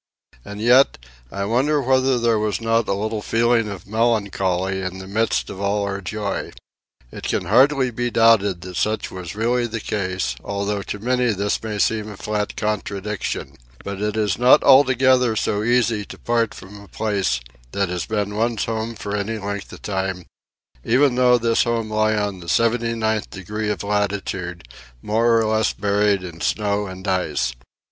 And yet, I wonder whether there was not a little feeling of melancholy in the midst of all our joy? It can hardly be doubted that such was really the case, although to many this may seem a flat contradiction. But it is not altogether so easy to part from a place that has been one's home for any length of time, even though this home lie in the 79th degree of latitude, more or less buried in snow and ice.